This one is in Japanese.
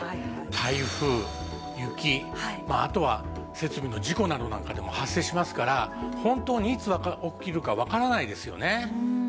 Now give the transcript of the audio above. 台風雪あとは設備の事故などなんかでも発生しますから本当にいつ起きるかわからないですよね。